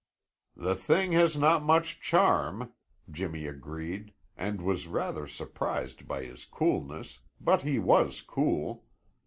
"The thing has not much charm," Jimmy agreed and was rather surprised by his coolness, but he was cool.